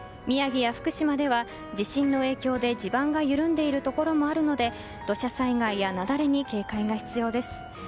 宮城や福島では地震の影響で地盤が緩んでいるところもあるので土砂災害や雪崩に警戒が必要です。